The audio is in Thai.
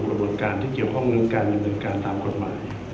สู่กระบวนการที่เกี่ยวข้องเงินการหรือเงินการตามกฎหมาย